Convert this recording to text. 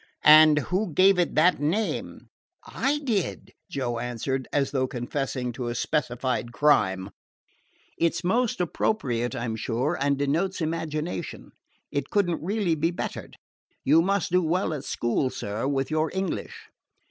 "And who gave it that name?" "I did," Joe answered, as though confessing to a specified crime. "It 's most appropriate, I 'm sure, and denotes imagination. It could n't really be bettered. You must do well at school, sir, with your English."